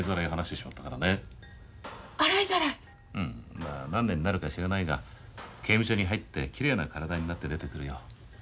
まあ何年になるか知らないが刑務所に入ってきれいな体になって出てくるよ。